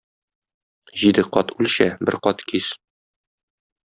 Җиде кат үлчә, бер кат кис.